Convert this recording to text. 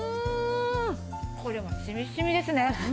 これはしみしみですね！